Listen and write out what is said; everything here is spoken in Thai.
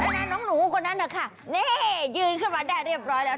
น้องหนูคนนั้นนะคะนี่ยืนขึ้นมาได้เรียบร้อยแล้ว